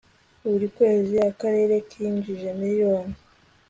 buri kwezi akarere kinjije miliyoni